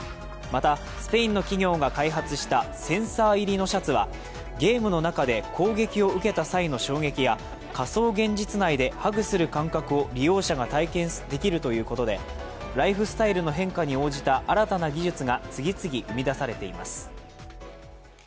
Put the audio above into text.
また、スペインの企業が開発したセンサー入りのシャツはゲームの中で攻撃を受けた際の衝撃や、仮想現実内でハグする感覚を利用者が体験できるということで、ライフスタイルの変化に応じた新たな技術が次々生み出されています。